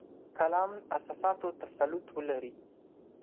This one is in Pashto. کلام اساساتو تسلط ولري.